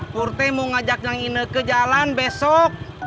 purte mau ngajak neng rika jalan besok